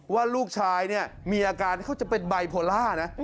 ว่าลูกชายเนี่ยมีอาการเขาจะเป็นไบโพล่านะ